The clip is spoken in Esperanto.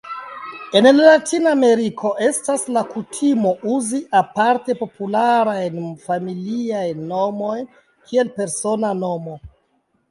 En Latinameriko estas la kutimo uzi aparte popularajn familiajn nomojn kiel persona nomo.